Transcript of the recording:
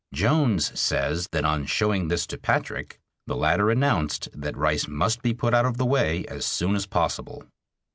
Jones says that on showing this to Patrick the latter announced that Rice must be put out of the way as soon as possible.